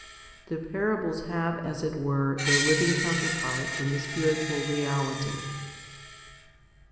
The parables have as it were their living counterparts in the spiritual reality.